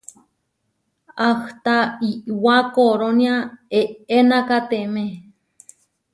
Ahta iʼwá korónia eʼenakatemé.